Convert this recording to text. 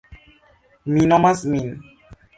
Mi nomas min.